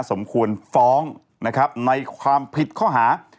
สมควรฟ้องนะครับในความผิดข้อหา